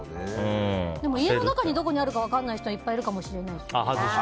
でも家の中でどこにあるか分からない人もいっぱいいるかもしれないですね。